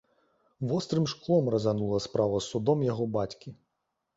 Вострым шклом разанула справа з судом яго бацькі.